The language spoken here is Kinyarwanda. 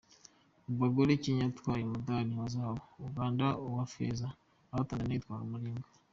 Mu bagore Kenya yatwaye umudali wa zahabu, Uganda uwa feza naho Tanzania itwara umuringa.